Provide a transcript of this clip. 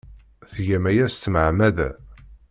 Tgam aya s tmeɛmada!